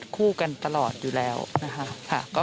คู่กันตลอดอยู่แล้วนะคะ